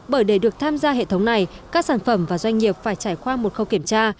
bởi để được tham gia hệ thống này các sản phẩm và doanh nghiệp phải trải qua một khâu kiểm tra